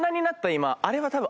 今あれは多分。